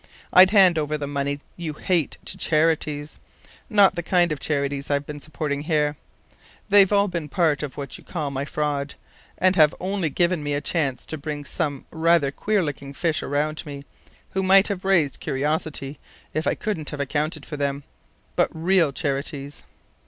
I'd hand over the money you hate to charities not the kind of charities I've been supporting here! They've all been part of what you call my fraud, and have only given me a chance to bring some rather queer looking fish around me, who might have raised curiosity if I couldn't have accounted for them. But real charities.